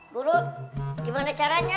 buru gimana caranya